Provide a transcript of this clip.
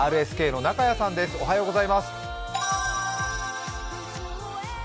ＲＳＫの中屋さんです、おはようございます。